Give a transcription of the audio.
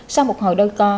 sau một hồi đôi co